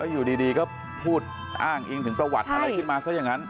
อยู่ดีก็พูดอ้างอิงถึงประวัติอะไรขึ้นมาซะอย่างนั้น